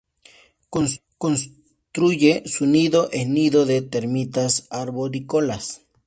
Construye su nido en nido de termitas arborícolas.